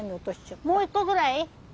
もう一個ぐらい？